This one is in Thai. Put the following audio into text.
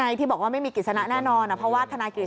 และที่วันนี้ไปที่สำนักงานอายการนทบุรี